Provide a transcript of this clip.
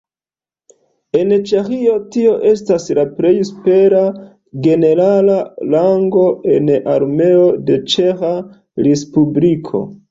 En Ĉeĥio tio estas la plej supera generala rango en Armeo de Ĉeĥa respubliko.